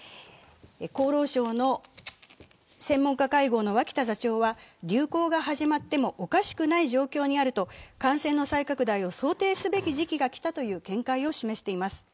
厚労省の専門家会合の脇田座長は流行が始まってもおかしくない状況にあると、感染の再拡大を想定すべき時期が来たという見解を示しています。